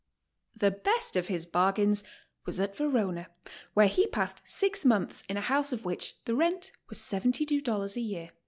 The best of his bargains was at Verona, where he passed six months in a house of which the rent was $72 a year.